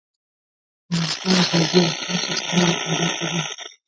افغانستان ته ځي او هلته ستونزې پیدا کوي.